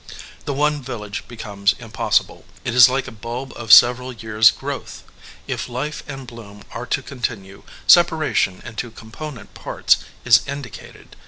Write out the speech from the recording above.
The one village becomes impossible. It is like a bulb of several years growth. If life and bloom are to continue, separation into component parts is indicated.